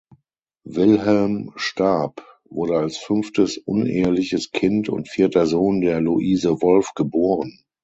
Wilhelm Staab wurde als fünftes uneheliches Kind und vierter Sohn der Luise Wolf geboren.